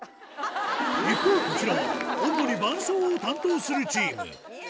一方こちらは、主に伴奏を担当するチーム。